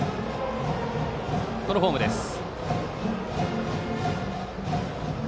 このフォームです。